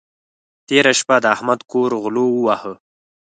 تېره شپه د احمد کور غلو وواهه.